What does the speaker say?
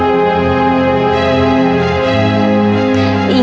aku mau nungguin dia